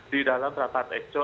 di dalam rapat ekso